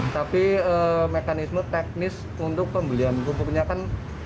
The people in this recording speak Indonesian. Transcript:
tapi mekanisme teknis untuk pembelian pupuknya kan